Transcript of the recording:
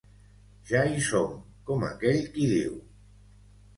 Ja hi som, com aquell qui diu.